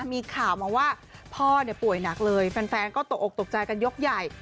มีข่าวมาว่าพ่อเนี่ยป่วยหนักเลยแฟนก็ตกออกตกใจกันยกใหญ่